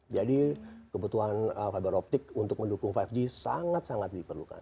jadi kebutuhan fiberoptik untuk mendukung lima g sangat sangat diperlukan